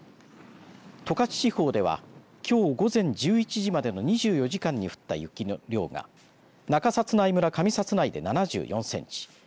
十勝地方ではきょう午前１１時までの２４時間に降った雪の量が中札内村上札内で７４センチ